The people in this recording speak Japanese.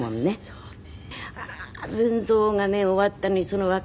そうね。